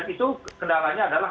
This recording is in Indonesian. itu kendalanya adalah